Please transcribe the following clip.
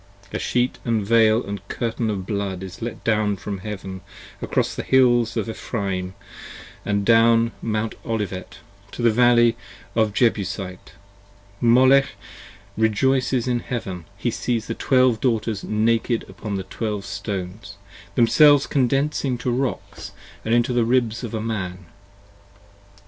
A sheet & veil & curtain of blood is let down from Heaven Across the hills of Ephraim & down Mount Olivet to The Valley of the Jebusite: Molech rejoices in heaven, He sees the Twelve Daughters naked upon the Twelve Stones, 25 Themselves condensing to rocks & into the Ribs of a Man.